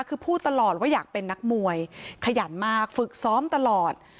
คือพูดตลอดว่าอยากเป็นนักมวยขยันมากฝึกซ้อมตลอด